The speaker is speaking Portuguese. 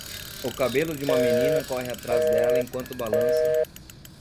O cabelo de uma menina corre atrás dela enquanto balança